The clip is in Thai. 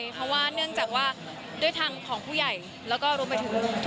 เพราะว่าเนื่องจากว่าด้วยทางของผู้ใหญ่แล้วก็รวมไปถึง